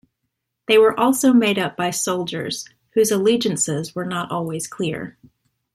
They were also made up by soldiers whose allegiances were not always clear.